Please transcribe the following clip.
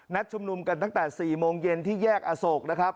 ชุมนุมกันตั้งแต่๔โมงเย็นที่แยกอโศกนะครับ